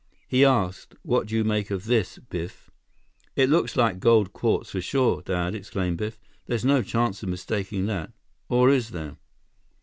He asked: "What do you make of this, Biff?" "It looks like gold quartz for sure, Dad!" exclaimed Biff. "There's no chance of mistaking that. Or is there?"